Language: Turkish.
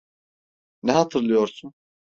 Ne hatırlıyorsun?